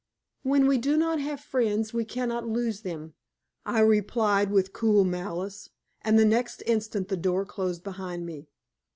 "'When we do not have friends we can not lose them,'" I replied with cool malice. And the next instant the door closed behind me.